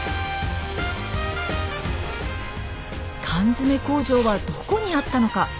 缶詰工場はどこにあったのか。